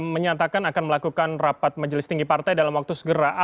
menyatakan akan melakukan rapat majelis tinggi partai dalam waktu segera